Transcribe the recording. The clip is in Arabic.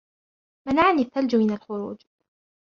منعني الثلج من الخروج.